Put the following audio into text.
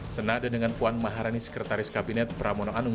senada dengan puan maharani sekretaris kabinet pramono anung